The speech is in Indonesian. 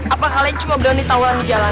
apa kalian cuma berani tawuran di jalanan